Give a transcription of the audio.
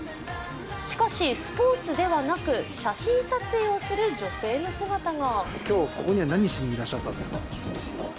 しかし、スポーツではなく写真撮影をする女性の姿が。